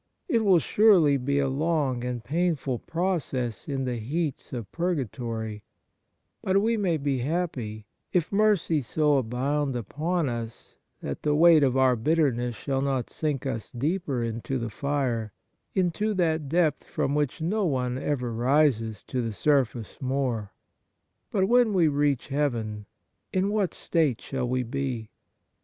It will surely be a long and painful process in the heats of purga tory ; but we may be happy if mercy so abound upon us that the weight of our bitterness shall not sink us deeper into the fire, into that depth from which no one ever rises to the surface more. But when we reach heaven, in what state shall we be